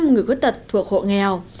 một mươi người khuất tật thuộc hộ nghèo